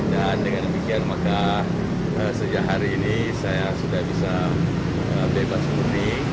dengan demikian maka sejak hari ini saya sudah bisa bebas murni